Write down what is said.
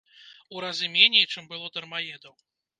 У разы меней, чым было дармаедаў.